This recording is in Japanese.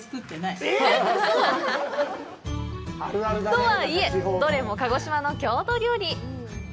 とはいえ、どれも鹿児島の郷土料理。